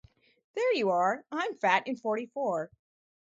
There you are, I’m fat and forty-four.